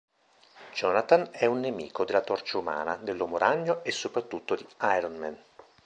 Jonathan è un nemico della Torcia Umana, dell'Uomo Ragno e soprattutto di Iron Man.